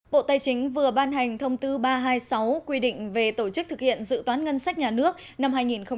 bộ tài chính vừa ban hành thông tư ba trăm hai mươi sáu quy định về tổ chức thực hiện dự toán ngân sách nhà nước năm hai nghìn một mươi chín